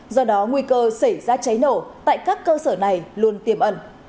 do đó nguy cơ xảy ra cháy nổ tại các cơ sở này luôn tiềm ẩn